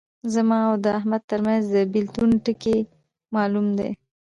زما او د احمد ترمنځ د بېلتون ټکی معلوم دی.